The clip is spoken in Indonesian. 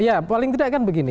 ya paling tidak kan begini